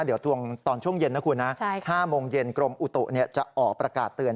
เดี๋ยวทวงตอนช่วงเย็นนะคุณนะ๕โมงเย็นกรมอุตุจะออกประกาศเตือน